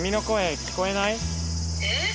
「えっ？